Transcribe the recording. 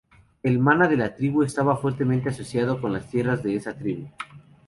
El mana de la tribu estaba fuertemente asociado con las tierras de esa tribu.